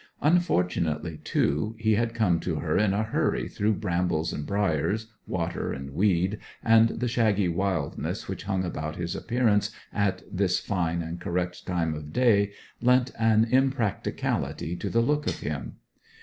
Unfortunately, too, he had come to her in a hurry through brambles and briars, water and weed, and the shaggy wildness which hung about his appearance at this fine and correct time of day lent an impracticability to the look of him.